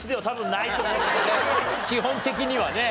基本的にはね。